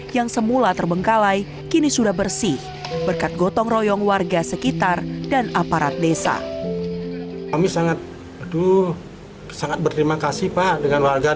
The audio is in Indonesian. yang semula terbengkalai kini sudah bersih berkat gotong royong warga sekitar dan aparat desa